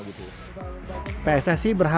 pssi berharap dapat memperoleh kompetisi elit